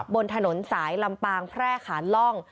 บนถนนสายลำปางแพร่ขานล่อง